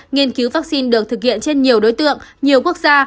nghiên cứu vaccine được thực hiện trên nhiều đối tượng nhiều quốc gia